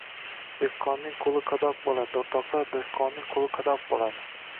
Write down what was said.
Dehqonning qo‘li qadoq bo‘ladi, o‘rtoqlar, dehqonning qo‘li qadoq bo‘ladi.